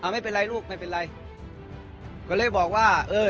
ไม่เป็นไรลูกไม่เป็นไร